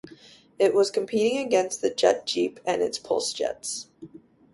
It was competing against the Jet Jeep and its pulse jets.